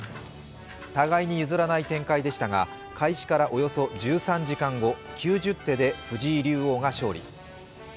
互いに譲らない展開でしたが開始からおよそ１３時間後、９０手で藤井竜王が勝利。